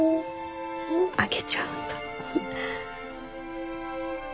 あげちゃうんだ。